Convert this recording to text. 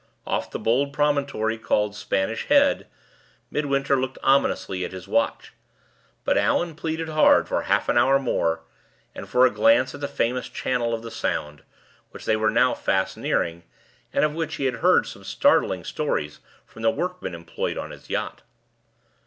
Off the bold promontory called Spanish Head, Midwinter looked ominously at his watch. But Allan pleaded hard for half an hour more, and for a glance at the famous channel of the Sound, which they were now fast nearing, and of which he had heard some startling stories from the workmen employed on his yacht.